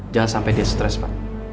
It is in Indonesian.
jangan sampai dia stres pak